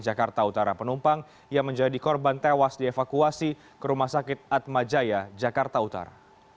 jakarta utara penumpang yang menjadi korban tewas dievakuasi ke rumah sakit atmajaya jakarta utara